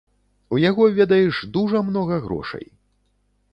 У яго, ведаеш, дужа многа грошай.